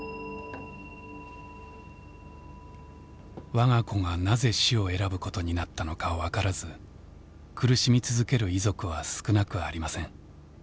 我が子がなぜ死を選ぶことになったのか分からず苦しみ続ける遺族は少なくありません。